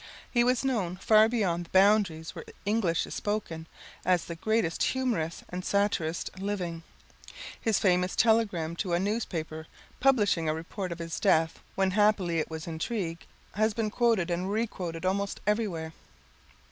He was known far beyond the boundaries where English is spoken as the greatest humorist and satirist living. His famous telegram to a newspaper publishing a report of his death, when happily it was intrigue, has been quoted and requoted almost everywhere.